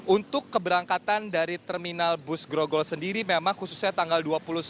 untuk keberangkatan dari terminal bus grogol sendiri memang khususnya tanggal dua puluh sembilan